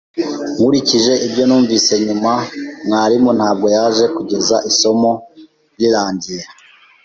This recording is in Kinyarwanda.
Nkurikije ibyo numvise nyuma, mwarimu ntabwo yaje kugeza isomo rirangiye.